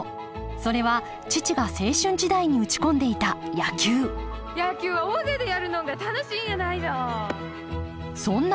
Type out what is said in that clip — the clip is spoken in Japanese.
それは父が青春時代に打ち込んでいた野球野球は大勢でやるのんが楽しいんやないの。